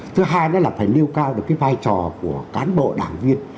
thứ hai nữa là phải nêu cao được cái vai trò của cán bộ đảng viên